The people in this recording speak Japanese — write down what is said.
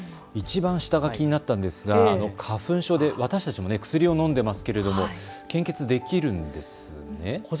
いちばん下が気になったんですが花粉症で私たちも薬を飲んでいますけれども献血できるんですね。